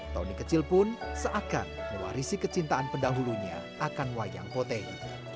tony kecil pun seakan mewarisi kecintaan pendahulunya akan wayang potehi